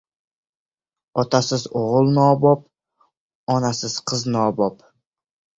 • Otasiz o‘g‘il nobop, onasi qiz nobop.